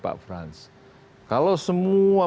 pak frans kalau semua